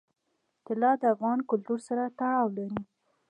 طلا د افغان کلتور سره تړاو لري.